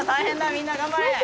みんな頑張れ！